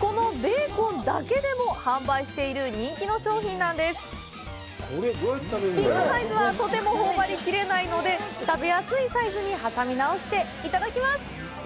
このベーコンだけでも販売している人気の商品なんですビッグサイズはとてもほおばりきれないので食べやすいサイズに挟み直していただきます！